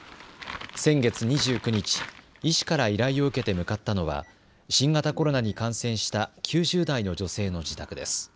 先月２９日、医師から依頼を受けて向かったのは新型コロナに感染した９０代の女性の自宅です。